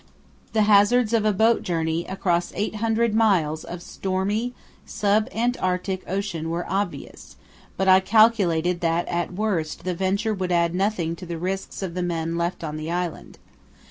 The hazards of a boat journey across 800 miles of stormy sub Antarctic ocean were obvious, but I calculated that at worst the venture would add nothing to the risks of the men left on the island.